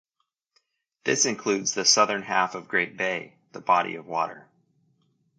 This includes the southern half of Great Bay (the body of water).